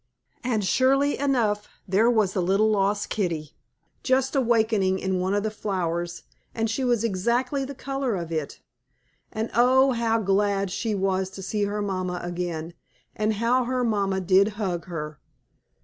And, surely enough, there was the little lost kittie, just awakening in one of the flowers, and she was exactly the color of it. And, oh, how glad she was to see her mamma again, and how her mamma did hug her!